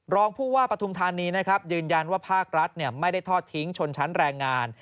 รองผู้ว่าปฐุมธานีนะครับยืนยันว่าภาครัฐไม่ได้ทอดทิ้งชนชั้นแรงงาน